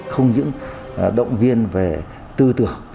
không những động viên về tư tưởng